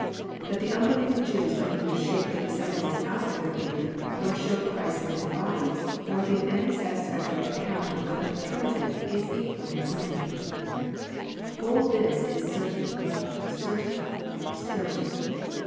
That the unbelieving Jews could neither shake the disciples out of their belief, nor show Christ s dead body, nor give any satisfactory account of what had become of it, is equally certain. All this is certain, certain, certain